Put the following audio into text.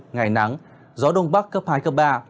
ngày nắng gió đông bắc cấp hai cấp ba